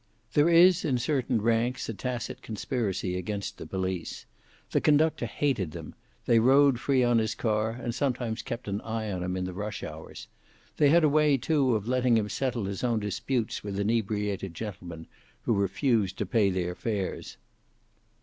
There is, in certain ranks, a tacit conspiracy against the police. The conductor hated them. They rode free on his car, and sometimes kept an eye on him in the rush hours. They had a way, too, of letting him settle his own disputes with inebriated gentlemen who refused to pay their fares.